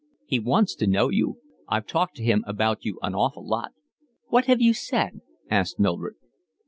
"He wants to know you. I've talked to him about you an awful lot." "What have you said?" asked Mildred.